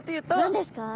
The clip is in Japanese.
何ですか？